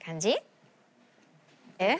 えっ？